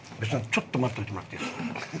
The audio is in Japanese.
ちょっと待っといてもらっていいですか？